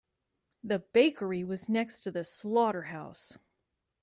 The bakery was next to the slaughterhouse.